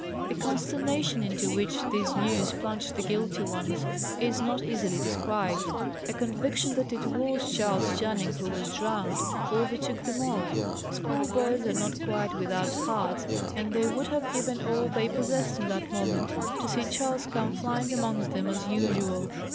The consternation into which this news plunged the guilty ones is not easily described. A conviction that it was Charles Channing who was drowned, overtook them all. Schoolboys are not quite without hearts, and they would have given all they possessed, in that moment, to see Charles come flying amongst them, as usual.